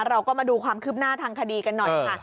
เราก็มาดูความคืบหน้าทางคดีกันหน่อยค่ะ